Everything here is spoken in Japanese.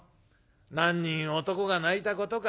何人男が泣いたことか』。